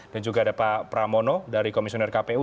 dan juga ada pak pramono dari komisioner kpu